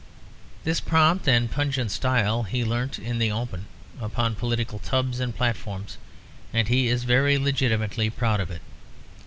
This prompt and pungent style he learnt in the open, upon political tubs and platforms; and he is very legitimately proud of it.